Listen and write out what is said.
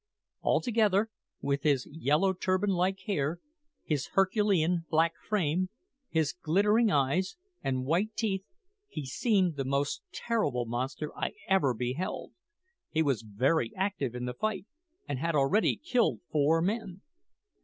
Altogether, with his yellow turban like hair, his Herculean black frame, his glittering eyes, and white teeth, he seemed the most terrible monster I ever beheld. He was very active in the fight, and had already killed four men.